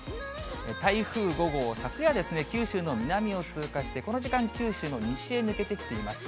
台風５号、昨夜、九州の南を通過して、この時間、九州の西へ抜けてきています。